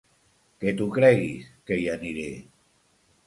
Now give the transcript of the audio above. Que t'ho creguis, que hi aniré!